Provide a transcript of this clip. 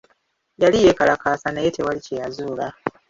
Yali yeekalakaasa naye tewali kye yazuula.